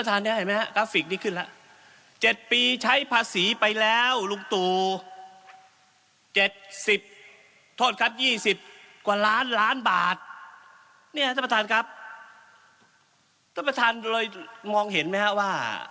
ท่านประธานครับท่านประธานเลยมองเห็นไหมฮะว่า